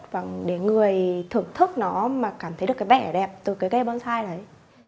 vâng để người thưởng thức nó mà cảm thấy được cái vẻ đẹp từ cái cây bonsai đấy